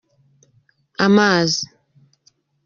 amazi.